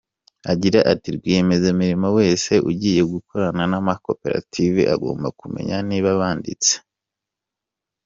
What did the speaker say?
Agira ati “Rwiyemezamirimo wese ugiye gukorana n’amakoperative agomba kumenya niba banditse.